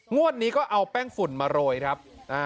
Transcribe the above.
งวดนี้ก็เอาแป้งฝุ่นมาโรยครับ